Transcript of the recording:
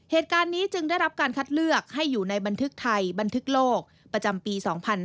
เหตุการณ์นี้จึงได้รับการคัดเลือกให้อยู่ในบันทึกไทยบันทึกโลกประจำปี๒๕๕๙